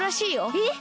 えっ？